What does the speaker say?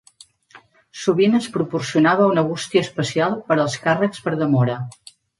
Sovint es proporcionava una bústia especial per als càrrecs per demora.